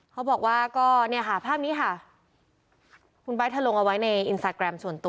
เขาบอกว่าก็เนี่ยค่ะภาพนี้ค่ะ